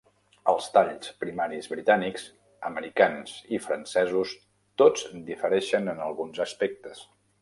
Els talls primaris britànics, americans i francesos tots difereixen en alguns aspectes.